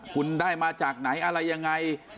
คุณได้มาจากไหนอะไรยังไง